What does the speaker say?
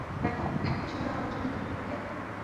দেখো, এখনও সেভাবে আমরা কোনো সিদ্ধান্ত নেইনি, ওকে?